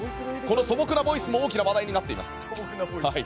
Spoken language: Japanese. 素朴なボイスも大きな話題になっています。